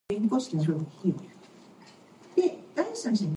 Two teams of two players take turns fielding and batting.